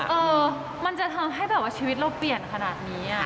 เออมันจะทำให้แบบว่าชีวิตเราเปลี่ยนขนาดนี้